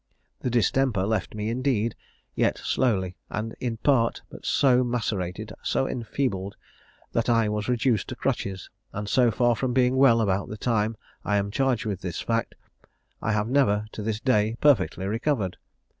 The distemper left me indeed, yet slowly, and in part but so macerated, so enfeebled, that I was reduced to crutches; and so far from being well about the time I am charged with this fact, I have never, to this day, perfectly recovered.